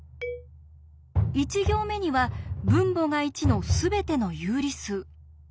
１行目には分母が１のすべての有理数。